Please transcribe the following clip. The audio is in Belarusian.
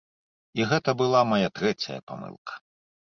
І гэта была мая трэцяя памылка.